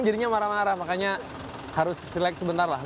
jadinya marah marah makanya harus relax sebentar lah